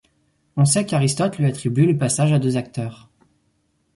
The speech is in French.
On sait qu'Aristote lui attribue le passage à deux acteurs.